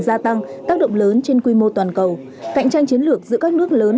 gia tăng tác động lớn trên quy mô toàn cầu cạnh tranh chiến lược giữa các nước lớn